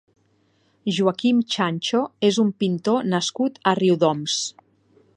Joaquim Chancho és un pintor nascut a Riudoms.